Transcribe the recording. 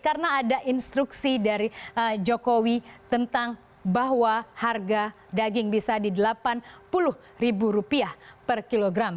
karena ada instruksi dari jokowi tentang bahwa harga daging bisa di delapan puluh ribu rupiah per kilogram